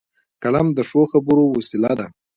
قلم د ښو خبرو وسیله ده